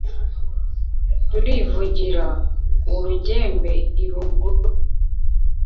rurivugira urugembe i buguru.